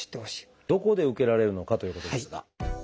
どこで受けられるのかということですが。